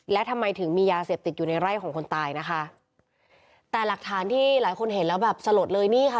และทำไมถึงมียาเสพติดอยู่ในไร่ของคนตายนะคะแต่หลักฐานที่หลายคนเห็นแล้วแบบสลดเลยนี่ค่ะ